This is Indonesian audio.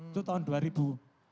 itu tahun dua ribu